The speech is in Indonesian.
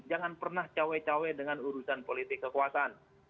jangan pernah cawe cawe dengan urusan politik kekuasaan